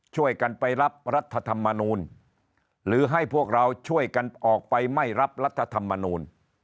ช่วยกันไปรับรัฐธรรมนูลหรือให้พวกเราช่วยกันออกไปไม่รับรัฐธรรมนูล